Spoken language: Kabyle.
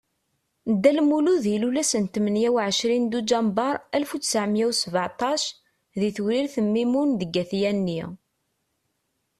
Dda Lmulud ilul ass tmenya u ɛecrin Duǧember Alef u ttɛemya u sbaɛṭac di Tewrirt Mimun deg At Yanni.